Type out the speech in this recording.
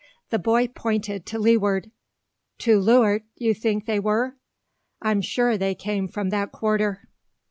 The boy pointed to leeward. "To leuart, you think they wur?" "I'm sure they came from that quarter."